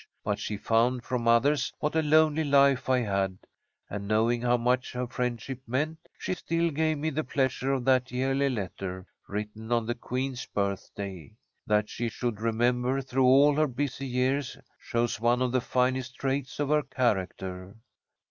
But she found from others what a lonely life I had, and, knowing how much her friendship meant, she still gave me the pleasure of that yearly letter, written on the queen's birthday. That she should remember through all her busy years shows one of the finest traits of her character.